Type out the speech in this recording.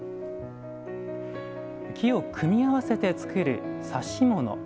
木を組み合わせて作る指物。